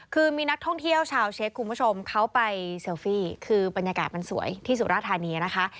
คือมีนักท่องเที่ยวชาวเช็คคุณผู้ชมเขาไปเซลฟี่คือบรรยากาศมันสวยที่สุราธานีนะคะ